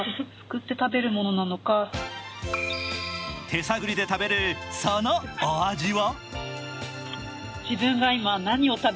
手探りで食べる、そのお味は？